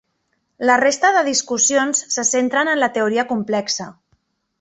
La resta de discussions se centren en la teoria complexa.